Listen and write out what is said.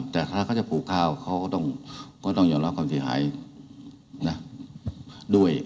แต่คณะเขาจะปลูกข้าวเขาก็ต้องยอมรับความเสียหายนะด้วย